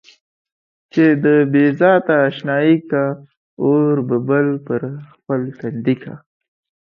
چې د بې ذاته اشنايي کا اور به بل پر خپل تندي کا.